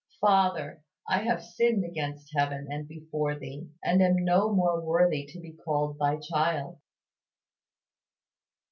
Father, I have sinned against heaven and before Thee, and am no more worthy to be called Thy child!